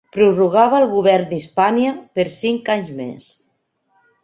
Prorrogava el govern d'Hispània per cinc anys més.